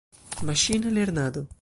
Maŝina lernado.